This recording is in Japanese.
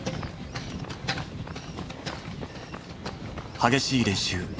激しい練習。